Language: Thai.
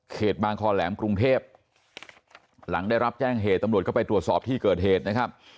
บางคอแหลมกรุงเทพหลังได้รับแจ้งเหตุตำรวจก็ไปตรวจสอบที่เกิดเหตุนะครับ